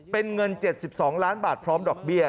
เป็นเงิน๗๒ล้านบาทพร้อมดอกเบี้ย